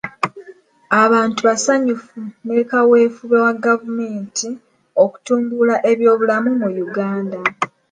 Abantu basanyufu ne kaweefube wa gavumenti okutumbula ebyobulamu mu Uganda